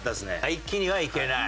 一気にはいけない。